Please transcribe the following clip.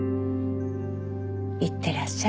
いってらっしゃい。